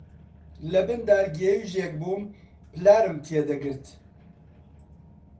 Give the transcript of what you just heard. لەبن دارەگێوژێک بووم، پلارم تێ دەگرت